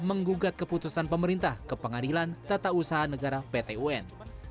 menggugat keputusan pemerintah ke pengadilan tata usaha negara pt un